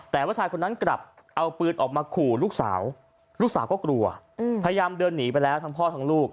แต่ว่าชายคนนั้นกลับเอาปืนออกมาขู่ลูกสาวลูกสาวก็กลัวพยายามเดินหนีไปแล้วทั้งพ่อทั้งลูก